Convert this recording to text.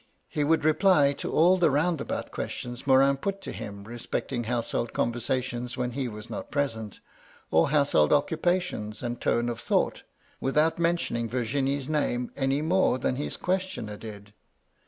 He would reply to all the roundabout questions Morin put to him respecting household conversations when he was not present, or household occupations and tone of tiiought, without 160 MY LADY LUDLOW. mentioiiing Vir^nie's name any more than his questioner did.